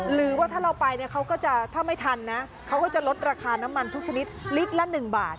หรือว่าถ้าเราไปเนี่ยเขาก็จะถ้าไม่ทันนะเขาก็จะลดราคาน้ำมันทุกชนิดลิตรละ๑บาท